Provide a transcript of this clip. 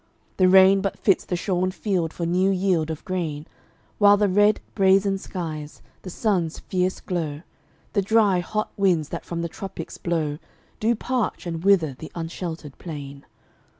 The rain But fits the shorn field for new yield of grain; While the red, brazen skies, the sun's fierce glow, The dry, hot winds that from the tropics blow Do parch and wither the unsheltered plain.